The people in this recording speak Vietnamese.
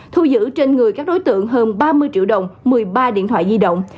thu giữ trên người các đối tượng hơn ba mươi triệu đồng một mươi ba điện thoại di động